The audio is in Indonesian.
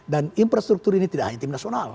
dan infrastruktur ini tidak hanya tim nasional